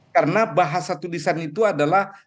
karena bahasa tulisan itu adalah